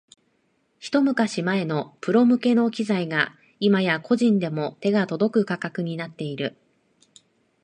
ひと昔前のプロ向けの機材が今や個人でも手が届く価格になっている